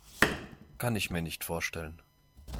Kann ich mir nicht vorstellen.